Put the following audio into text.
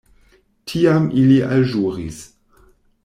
Tiam ili alĵuris.